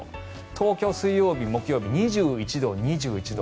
東京、水曜日、木曜日２１度、２１度。